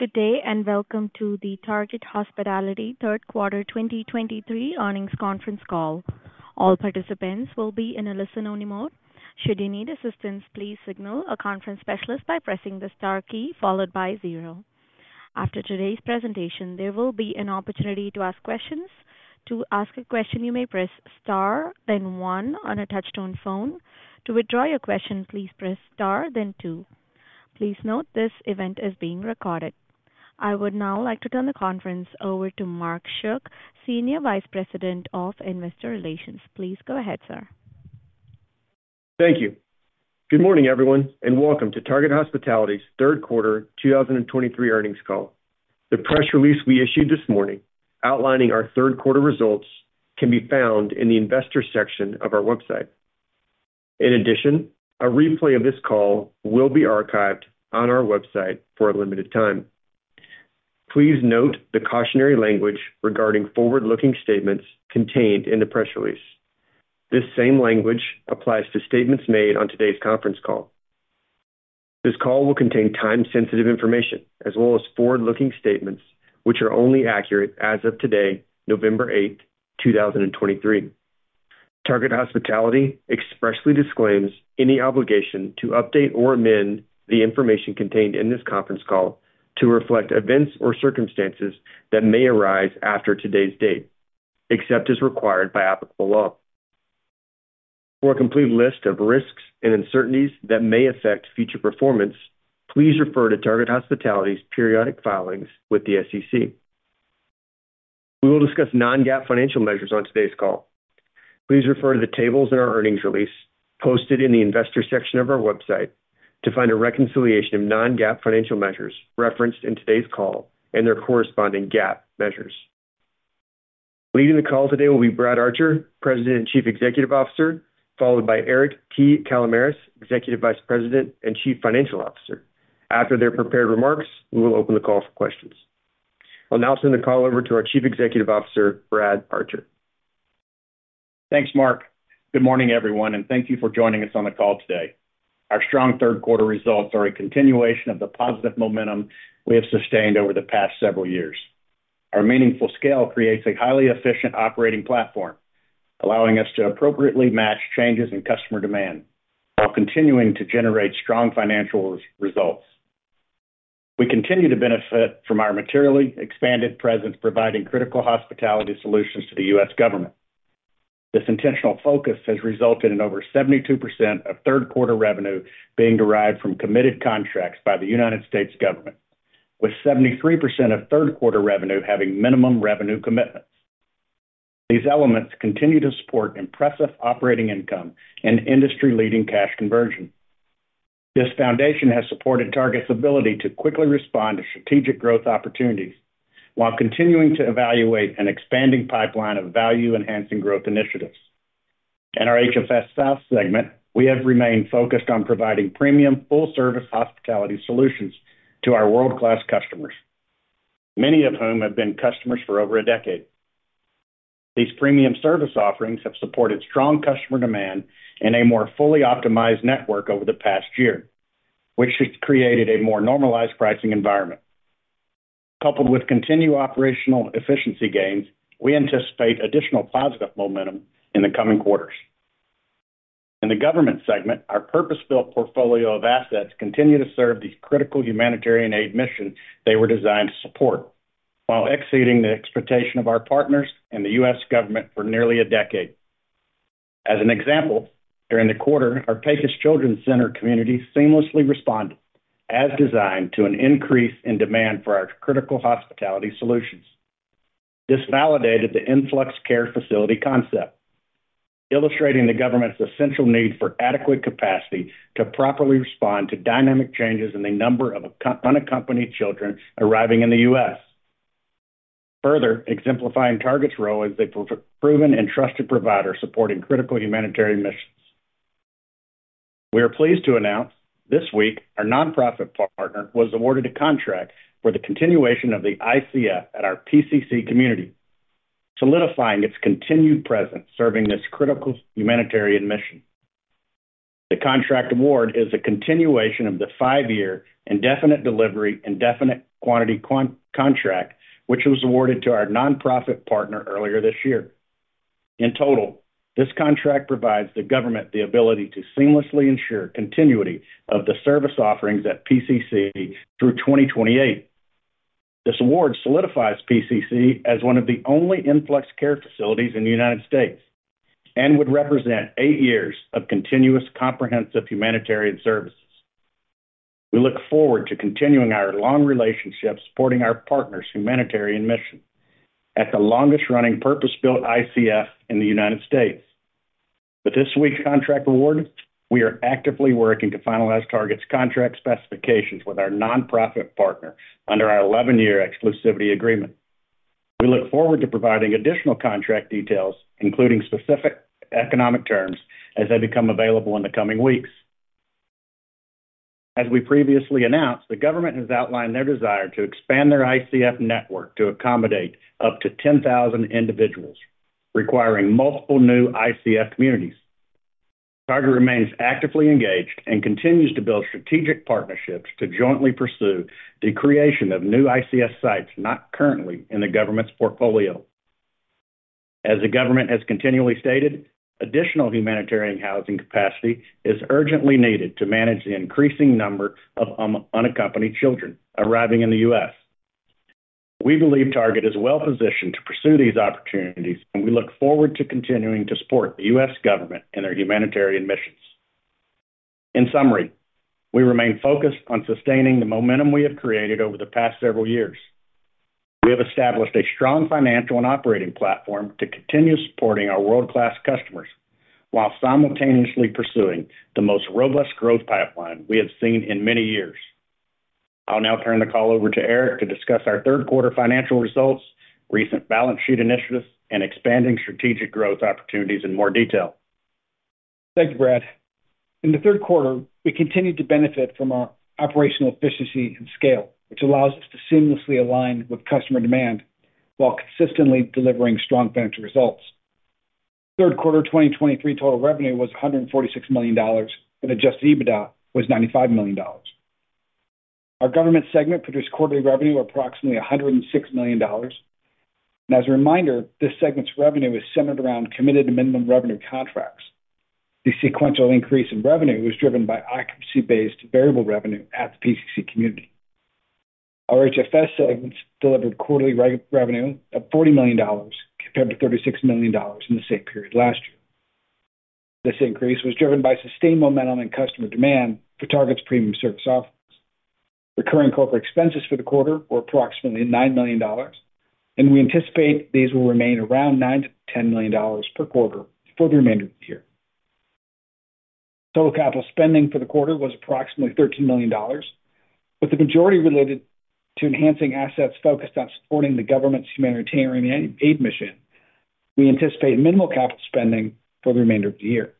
Good day, and welcome to the Target Hospitality third quarter 2023 earnings conference call. All participants will be in a listen-only mode. Should you need assistance, please signal a conference specialist by pressing the star key followed by zero. After today's presentation, there will be an opportunity to ask questions. To ask a question, you may press star, then one on a touchtone phone. To withdraw your question, please press star, then two. Please note, this event is being recorded. I would now like to turn the conference over to Mark Schuck, Senior Vice President of Investor Relations. Please go ahead, sir. Thank you. Good morning, everyone, and welcome to Target Hospitality's third quarter 2023 earnings call. The press release we issued this morning outlining our third quarter results can be found in the Investors section of our website. In addition, a replay of this call will be archived on our website for a limited time. Please note the cautionary language regarding forward-looking statements contained in the press release. This same language applies to statements made on today's conference call. This call will contain time-sensitive information as well as forward-looking statements, which are only accurate as of today, November eighth, 2023. Target Hospitality expressly disclaims any obligation to update or amend the information contained in this conference call to reflect events or circumstances that may arise after today's date, except as required by applicable law. For a complete list of risks and uncertainties that may affect future performance, please refer to Target Hospitality's periodic filings with the SEC. We will discuss non-GAAP financial measures on today's call. Please refer to the tables in our earnings release, posted in the Investor section of our website, to find a reconciliation of non-GAAP financial measures referenced in today's call and their corresponding GAAP measures. Leading the call today will be Brad Archer, President and Chief Executive Officer, followed by Eric T. Kalamaras, Executive Vice President and Chief Financial Officer. After their prepared remarks, we will open the call for questions. I'll now turn the call over to our Chief Executive Officer, Brad Archer. Thanks, Mark. Good morning, everyone, and thank you for joining us on the call today. Our strong third quarter results are a continuation of the positive momentum we have sustained over the past several years. Our meaningful scale creates a highly efficient operating platform, allowing us to appropriately match changes in customer demand while continuing to generate strong financial results. We continue to benefit from our materially expanded presence, providing critical hospitality solutions to the U.S. government. This intentional focus has resulted in over 72% of third quarter revenue being derived from committed contracts by the United States government, with 73% of third quarter revenue having minimum revenue commitments. These elements continue to support impressive operating income and industry-leading cash conversion. This foundation has supported Target's ability to quickly respond to strategic growth opportunities while continuing to evaluate an expanding pipeline of value-enhancing growth initiatives. In our HFS South segment, we have remained focused on providing premium, full-service hospitality solutions to our world-class customers, many of whom have been customers for over a decade. These premium service offerings have supported strong customer demand and a more fully optimized network over the past year, which has created a more normalized pricing environment. Coupled with continued operational efficiency gains, we anticipate additional positive momentum in the coming quarters. In the government segment, our purpose-built portfolio of assets continue to serve the critical humanitarian aid mission they were designed to support, while exceeding the expectation of our partners and the U.S. government for nearly a decade. As an example, during the quarter, our Pecos Children's Center community seamlessly responded, as designed, to an increase in demand for our critical hospitality solutions. This validated the influx care facility concept, illustrating the government's essential need for adequate capacity to properly respond to dynamic changes in the number of unaccompanied children arriving in the U.S. Further, exemplifying Target's role as a proven and trusted provider supporting critical humanitarian missions. We are pleased to announce this week our nonprofit partner was awarded a contract for the continuation of the ICF at our PCC community, solidifying its continued presence serving this critical humanitarian mission. The contract award is a continuation of the five-year indefinite delivery, indefinite quantity contract, which was awarded to our nonprofit partner earlier this year. In total, this contract provides the government the ability to seamlessly ensure continuity of the service offerings at PCC through 2028. This award solidifies PCC as one of the only influx care facilities in the United States and would represent eight years of continuous, comprehensive humanitarian services. We look forward to continuing our long relationship, supporting our partner's humanitarian mission at the longest-running purpose-built ICF in the United States. With this week's contract award, we are actively working to finalize Target's contract specifications with our nonprofit partner under our 11-year exclusivity agreement. We look forward to providing additional contract details, including specific economic terms, as they become available in the coming weeks. As we previously announced, the government has outlined their desire to expand their ICF network to accommodate up to 10,000 individuals, requiring multiple new ICF communities.... Target remains actively engaged and continues to build strategic partnerships to jointly pursue the creation of new ICF sites not currently in the government's portfolio. As the government has continually stated, additional humanitarian housing capacity is urgently needed to manage the increasing number of unaccompanied children arriving in the U.S. We believe Target is well-positioned to pursue these opportunities, and we look forward to continuing to support the U.S. government in their humanitarian missions. In summary, we remain focused on sustaining the momentum we have created over the past several years. We have established a strong financial and operating platform to continue supporting our world-class customers, while simultaneously pursuing the most robust growth pipeline we have seen in many years. I'll now turn the call over to Eric to discuss our third quarter financial results, recent balance sheet initiatives, and expanding strategic growth opportunities in more detail. Thanks, Brad. In the third quarter, we continued to benefit from our operational efficiency and scale, which allows us to seamlessly align with customer demand while consistently delivering strong financial results. Third quarter 2023 total revenue was $146 million, and Adjusted EBITDA was $95 million. Our government segment produced quarterly revenue of approximately $106 million. And as a reminder, this segment's revenue is centered around committed minimum revenue contracts. The sequential increase in revenue was driven by occupancy-based variable revenue at the PCC community. Our HFS segment delivered quarterly revenue of $40 million, compared to $36 million in the same period last year. This increase was driven by sustained momentum and customer demand for Target's premium service offerings. Recurring corporate expenses for the quarter were approximately $9 million, and we anticipate these will remain around $9-$10 million per quarter for the remainder of the year. Total capital spending for the quarter was approximately $13 million, with the majority related to enhancing assets focused on supporting the government's humanitarian aid, aid mission. We anticipate minimal capital spending for the remainder of the year.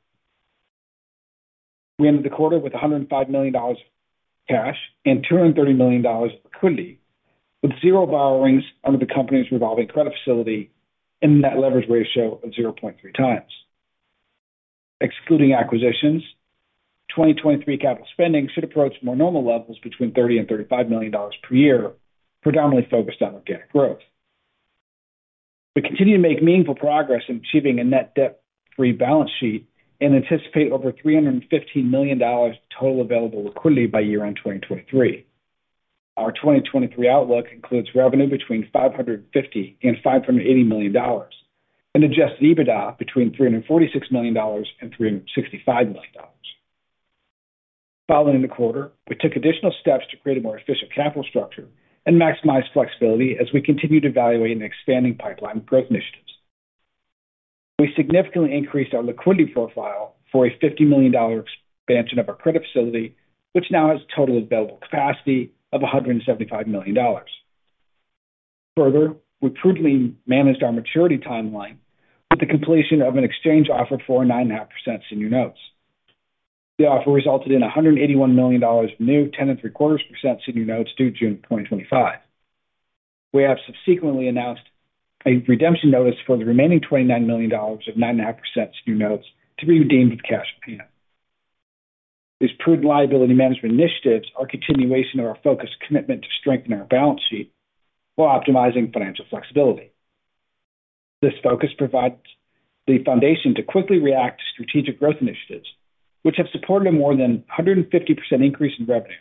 We ended the quarter with $105 million cash and $230 million of liquidity, with zero borrowings under the company's revolving credit facility and a net leverage ratio of 0.3 times. Excluding acquisitions, 2023 capital spending should approach more normal levels between $30 million and $35 million per year, predominantly focused on organic growth. We continue to make meaningful progress in achieving a net debt-free balance sheet and anticipate over $315 million total available liquidity by year-end 2023. Our 2023 outlook includes revenue between $550 million and $580 million, and Adjusted EBITDA between $346 million and $365 million. Following the quarter, we took additional steps to create a more efficient capital structure and maximize flexibility as we continue to evaluate an expanding pipeline of growth initiatives. We significantly increased our liquidity profile for a $50 million expansion of our credit facility, which now has a total available capacity of $175 million. Further, we prudently managed our maturity timeline with the completion of an exchange offer for 9.5% Senior Notes. The offer resulted in $181 million of new 10.75% Senior Notes due June 2025. We have subsequently announced a redemption notice for the remaining $29 million of 9.5% Senior Notes to be redeemed with cash payment. These prudent liability management initiatives are a continuation of our focused commitment to strengthening our balance sheet while optimizing financial flexibility. This focus provides the foundation to quickly react to strategic growth initiatives, which have supported a more than 150% increase in revenue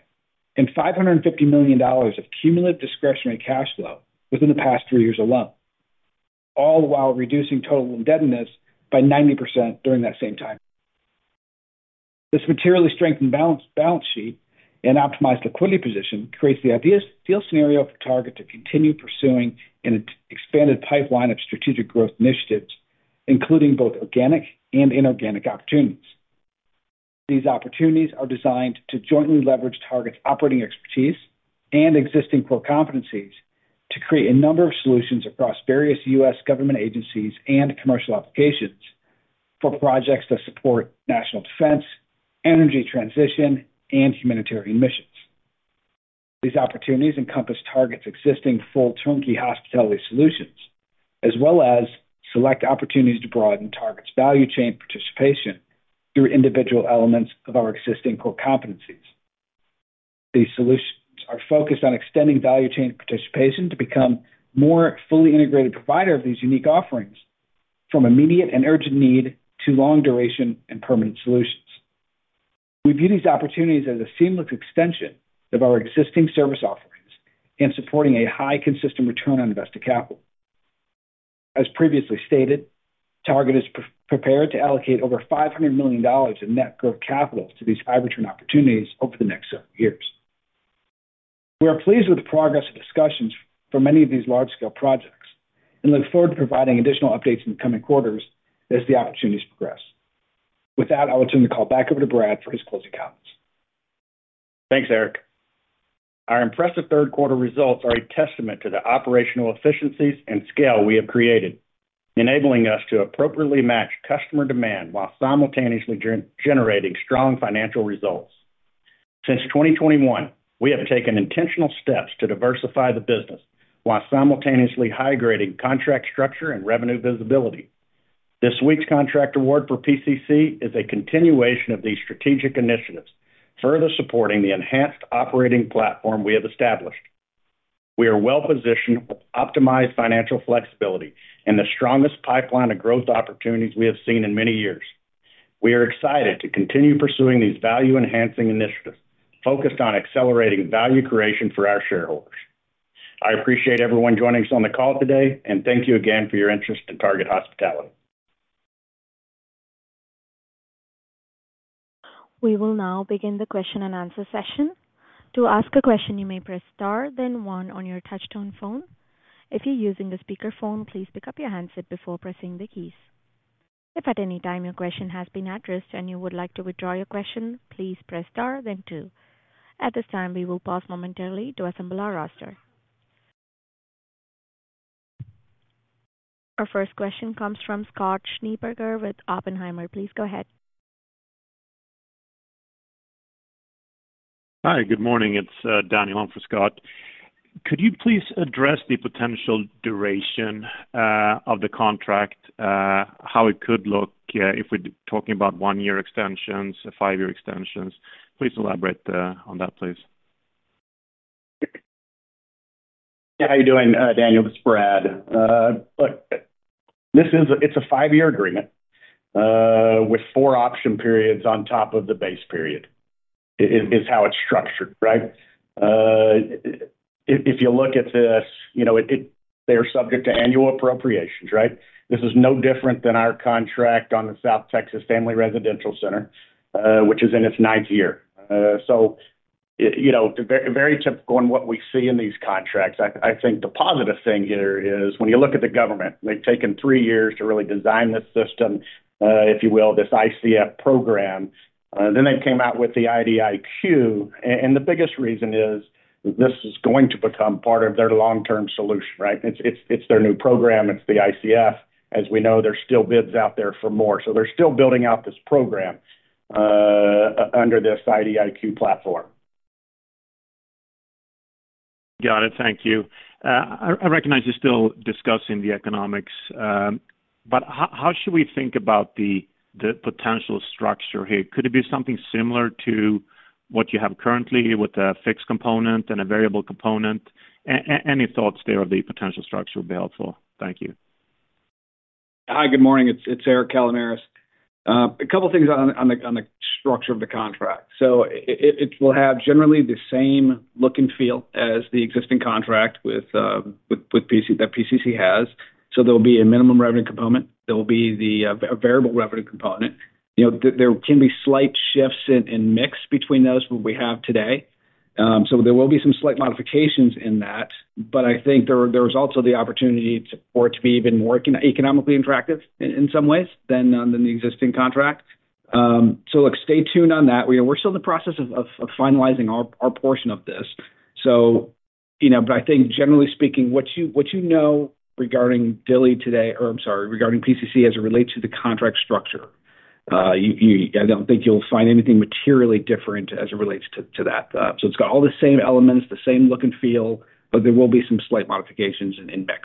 and $550 million of cumulative discretionary cash flow within the past three years alone, all while reducing total indebtedness by 90% during that same time. This materially strengthened balance sheet and optimized liquidity position creates the ideal scenario for Target to continue pursuing an expanded pipeline of strategic growth initiatives, including both organic and inorganic opportunities. These opportunities are designed to jointly leverage Target's operating expertise and existing core competencies to create a number of solutions across various U.S. government agencies and commercial applications for projects that support national defense, energy transition, and humanitarian missions. These opportunities encompass Target's existing full turnkey hospitality solutions, as well as select opportunities to broaden Target's value chain participation through individual elements of our existing core competencies. These solutions are focused on extending value chain participation to become more fully integrated provider of these unique offerings from immediate and urgent need to long duration and permanent solutions. We view these opportunities as a seamless extension of our existing service offerings in supporting a high, consistent return on invested capital. As previously stated, Target is prepared to allocate over $500 million in net growth capital to these high-return opportunities over the next several years. We are pleased with the progress of discussions for many of these large-scale projects and look forward to providing additional updates in the coming quarters as the opportunities progress. With that, I'll turn the call back over to Brad for his closing comments. Thanks, Eric. Our impressive third quarter results are a testament to the operational efficiencies and scale we have created, enabling us to appropriately match customer demand while simultaneously generating strong financial results. Since 2021, we have taken intentional steps to diversify the business, while simultaneously high grading contract structure and revenue visibility. This week's contract award for PCC is a continuation of these strategic initiatives, further supporting the enhanced operating platform we have established. We are well-positioned with optimized financial flexibility and the strongest pipeline of growth opportunities we have seen in many years. We are excited to continue pursuing these value-enhancing initiatives, focused on accelerating value creation for our shareholders. I appreciate everyone joining us on the call today, and thank you again for your interest in Target Hospitality. We will now begin the question-and-answer session. To ask a question, you may press Star, then One on your touch-tone phone. If you're using a speakerphone, please pick up your handset before pressing the keys. If at any time your question has been addressed and you would like to withdraw your question, please press Star, then Two. At this time, we will pause momentarily to assemble our roster. Our first question comes from Scott Schneeberger with Oppenheimer. Please go ahead. Hi, good morning, it's Daniel on for Scott. Could you please address the potential duration of the contract? How it could look if we're talking about one-year extensions, five-year extensions? Please elaborate on that, please. How are you doing, Daniel? This is Brad. Look, this is a 5-year agreement with 4 option periods on top of the base period, is how it's structured, right? If you look at this, you know, it. They are subject to annual appropriations, right? This is no different than our contract on the South Texas Family Residential Center, which is in its ninth year. So, you know, very typical in what we see in these contracts. I think the positive thing here is when you look at the government, they've taken 3 years to really design this system, if you will, this ICF program. Then they came out with the IDIQ, and the biggest reason is this is going to become part of their long-term solution, right? It's their new program. It's the ICF. As we know, there's still bids out there for more, so they're still building out this program under this IDIQ platform. Got it. Thank you. I recognize you're still discussing the economics, but how should we think about the potential structure here? Could it be something similar to what you have currently with a fixed component and a variable component? Any thoughts there of the potential structure would be helpful. Thank you. Hi, good morning, it's Eric Kalamaras. A couple of things on the structure of the contract. So it will have generally the same look and feel as the existing contract with PCC that PCC has. So there will be a minimum revenue component, there will be a variable revenue component. You know, there can be slight shifts in mix between those what we have today. So there will be some slight modifications in that, but I think there's also the opportunity for it to be even more economically interactive in some ways than the existing contract. So look, stay tuned on that. We are still in the process of finalizing our portion of this. You know, but I think generally speaking, what you know regarding Dilley today, or I'm sorry, regarding PCC as it relates to the contract structure. I don't think you'll find anything materially different as it relates to that. So it's got all the same elements, the same look and feel, but there will be some slight modifications in mix.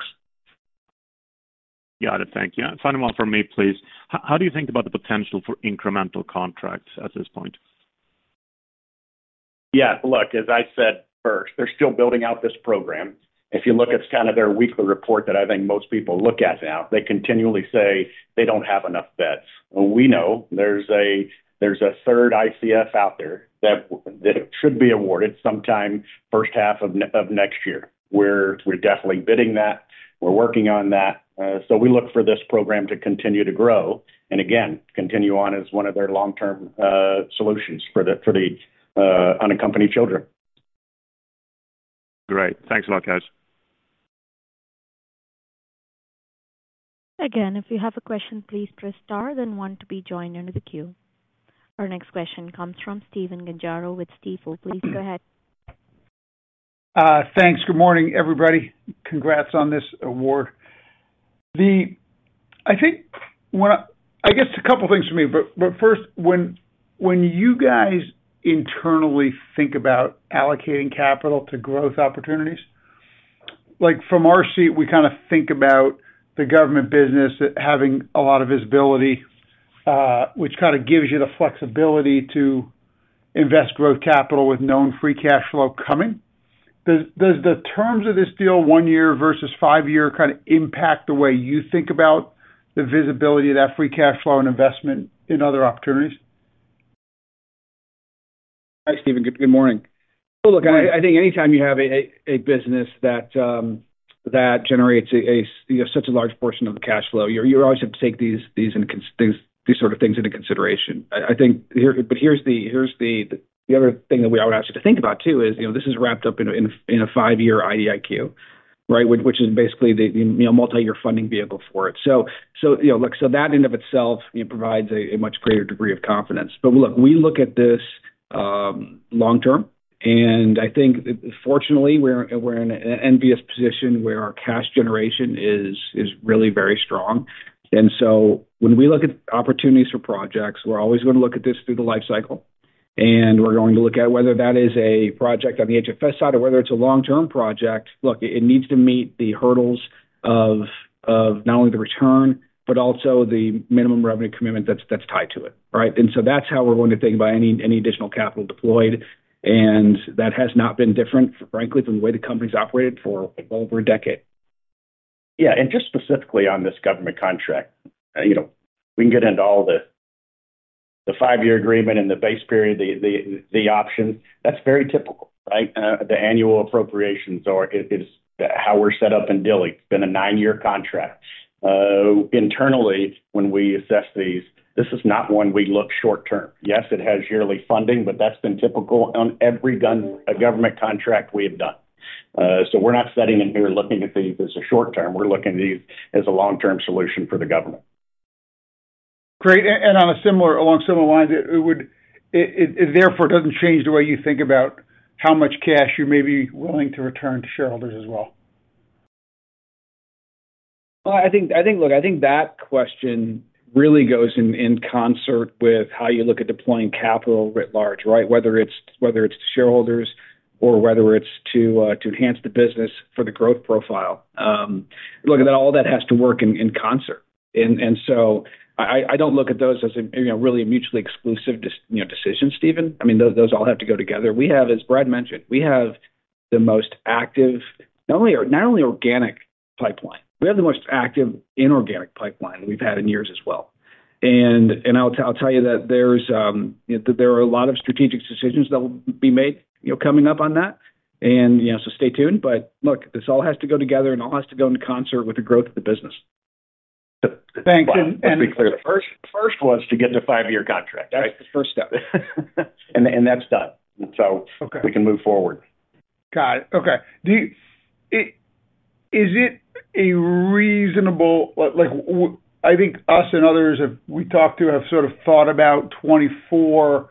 Got it. Thank you. And final one from me, please. How do you think about the potential for incremental contracts at this point? Yeah, look, as I said first, they're still building out this program. If you look at kind of their weekly report that I think most people look at now, they continually say they don't have enough beds. We know there's a third ICF out there that should be awarded sometime first half of next year. We're definitely bidding that. We're working on that. So we look for this program to continue to grow, and again, continue on as one of their long-term solutions for the unaccompanied children. Great. Thanks a lot, guys. Again, if you have a question, please press Star, then One to be joined into the queue. Our next question comes from Stephen Gengaro with Stifel. Please go ahead. Thanks. Good morning, everybody. Congrats on this award. I think, I guess a couple of things for me, but first, when you guys internally think about allocating capital to growth opportunities, like from our seat, we kind of think about the government business as having a lot of visibility, which kind of gives you the flexibility to invest growth capital with known free cash flow coming. Does the terms of this deal, 1-year versus 5-year, kind of impact the way you think about the visibility of that free cash flow and investment in other opportunities? Hi, Steven. Good morning. Look, I think anytime you have a business that generates such a large portion of the cash flow, you always have to take these sort of things into consideration. I think, but here's the other thing that we would ask you to think about, too, is, you know, this is wrapped up in a five-year IDIQ, right? Which is basically the multiyear funding vehicle for it. So, you know, look, so that in and of itself provides a much greater degree of confidence. But look, we look at this long term... And I think, fortunately, we're in an envious position where our cash generation is really very strong. And so when we look at opportunities for projects, we're always going to look at this through the life cycle, and we're going to look at whether that is a project on the HFS side or whether it's a long-term project. Look, it needs to meet the hurdles of not only the return, but also the minimum revenue commitment that's tied to it, right? And so that's how we're going to think about any additional capital deployed, and that has not been different, frankly, from the way the company's operated for over a decade. Yeah, and just specifically on this government contract, you know, we can get into all the five-year agreement and the base period, the options. That's very typical, right? The annual appropriations are, it's how we're set up in Dilley. It's been a nine-year contract. Internally, when we assess these, this is not one we look short term. Yes, it has yearly funding, but that's been typical on every government contract we have done. So we're not sitting in here looking at these as a short term. We're looking at these as a long-term solution for the government. Great. And along similar lines, it therefore doesn't change the way you think about how much cash you may be willing to return to shareholders as well? Well, I think—Look, I think that question really goes in concert with how you look at deploying capital writ large, right? Whether it's to shareholders or whether it's to enhance the business for the growth profile. Look, all that has to work in concert. And so I don't look at those as really a mutually exclusive decision, Steven. I mean, those all have to go together. As Brad mentioned, we have the most active not only organic pipeline, we have the most active inorganic pipeline we've had in years as well. And I'll tell you that there's, you know, there are a lot of strategic decisions that will be made, you know, coming up on that. And, you know, so stay tuned. Look, this all has to go together, and it all has to go into concert with the growth of the business. Thanks. To be clear, the first one is to get the five-year contract. That's the first step. And that's done, so. Okay. We can move forward. Got it. Okay. Is it a reasonable, like, I think us and others we've talked to have sort of thought about 2024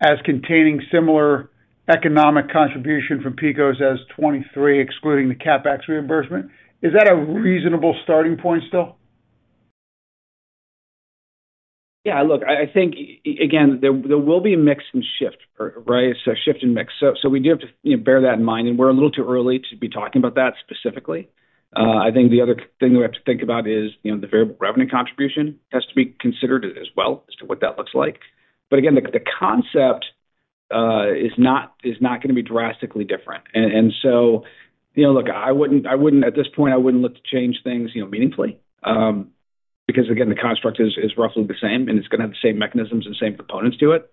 as containing similar economic contribution from Pecos as 2023, excluding the CapEx reimbursement. Is that a reasonable starting point still? Yeah, look, I think again there will be a mix and shift, right? So shift and mix. So we do have to, you know, bear that in mind, and we're a little too early to be talking about that specifically. I think the other thing we have to think about is, you know, the variable revenue contribution has to be considered as well as to what that looks like. But again, the concept is not going to be drastically different. And so, you know, look, I wouldn't. At this point, I wouldn't look to change things, you know, meaningfully. Because again, the construct is roughly the same, and it's going to have the same mechanisms and same components to it.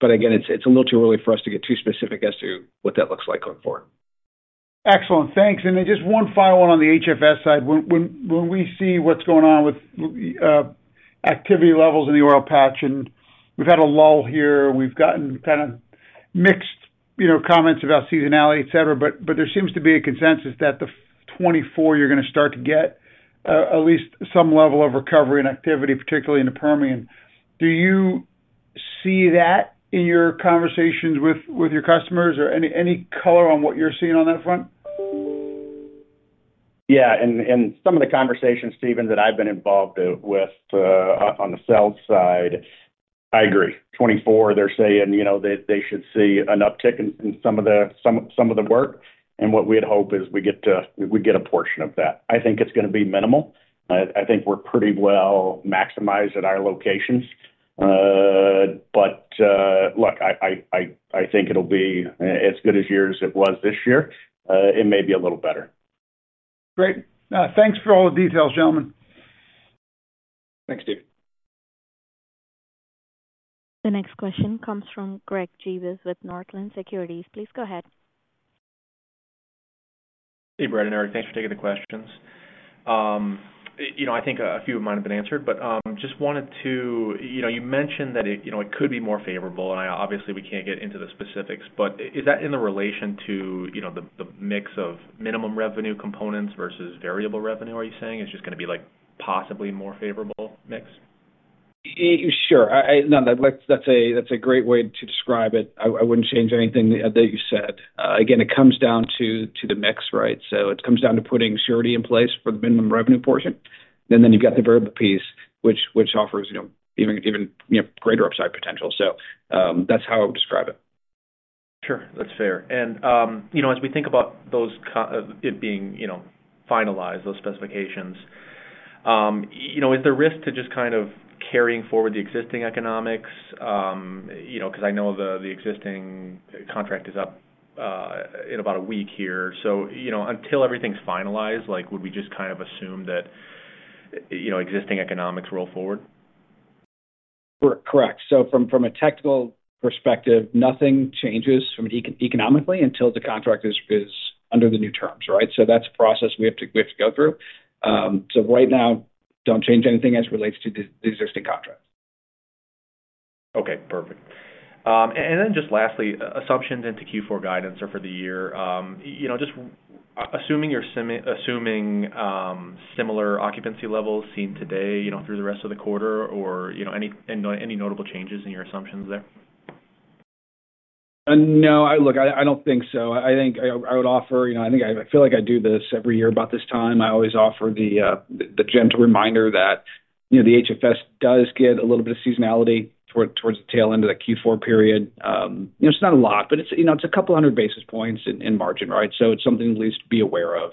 But again, it's, it's a little too early for us to get too specific as to what that looks like going forward. Excellent. Thanks. And then just one final one on the HFS side. When we see what's going on with activity levels in the oil patch, and we've had a lull here, we've gotten kind of mixed, you know, comments about seasonality, et cetera, but there seems to be a consensus that 2024, you're going to start to get at least some level of recovery and activity, particularly in the Permian. Do you see that in your conversations with your customers, or any color on what you're seeing on that front? Yeah. And some of the conversations, Steven, that I've been involved with, on the sales side, I agree. 2024, they're saying, you know, that they should see an uptick in some of the work, and what we'd hope is we get a portion of that. I think it's going to be minimal. I think we're pretty well maximized at our locations. But look, I think it'll be as good as it was this year. It may be a little better. Great. Thanks for all the details, gentlemen. Thanks, Steve. The next question comes from Greg Gibas with Northland Securities. Please go ahead. Hey, Brad and Eric. Thanks for taking the questions. You know, I think a few of mine have been answered, but just wanted to... You know, you mentioned that it could be more favorable, and obviously, we can't get into the specifics, but is that in relation to the mix of minimum revenue components versus variable revenue, are you saying? It's just going to be, like, possibly more favorable mix? Sure. No, that's a great way to describe it. I wouldn't change anything that you said. Again, it comes down to the mix, right? So it comes down to putting surety in place for the minimum revenue portion. And then you've got the variable piece, which offers, you know, even greater upside potential. So, that's how I would describe it. Sure. That's fair. And, you know, as we think about those it being, you know, finalized, those specifications, you know, is there risk to just kind of carrying forward the existing economics? You know, because I know the existing contract is up in about a week here. So, you know, until everything's finalized, like, would we just kind of assume that, you know, existing economics roll forward? Correct. So from a technical perspective, nothing changes economically until the contract is under the new terms, right? So that's a process we have to go through. So right now, don't change anything as it relates to the existing contract. Okay, perfect. And then just lastly, assumptions into Q4 guidance or for the year, you know, just assuming similar occupancy levels seen today, you know, through the rest of the quarter, or, you know, any notable changes in your assumptions there? No. Look, I don't think so. I think I would offer, you know, I think I feel like I do this every year about this time. I always offer the gentle reminder that, you know, the HFS does get a little bit of seasonality toward the tail end of the Q4 period. You know, it's not a lot, but it's, you know, it's a couple of hundred basis points in margin, right? So it's something at least to be aware of.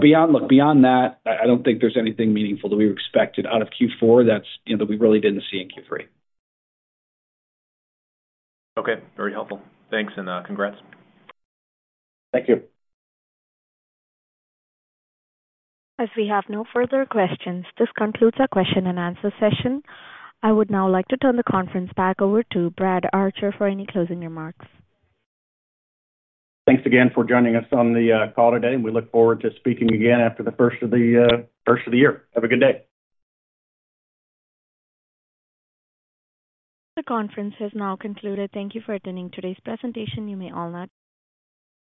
Beyond that, look, beyond that, I don't think there's anything meaningful that we expected out of Q4 that's, you know, that we really didn't see in Q3. Okay. Very helpful. Thanks, and congrats. Thank you. As we have no further questions, this concludes our question and answer session. I would now like to turn the conference back over to Brad Archer for any closing remarks. Thanks again for joining us on the call today, and we look forward to speaking again after the first of the year. Have a good day. The conference has now concluded. Thank you for attending today's presentation. You may all now-